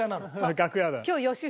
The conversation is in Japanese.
楽屋だよ。